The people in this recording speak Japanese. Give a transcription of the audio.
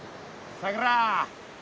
さくら